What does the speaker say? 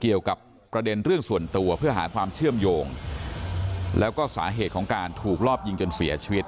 เกี่ยวกับประเด็นเรื่องส่วนตัวเพื่อหาความเชื่อมโยงแล้วก็สาเหตุของการถูกรอบยิงจนเสียชีวิต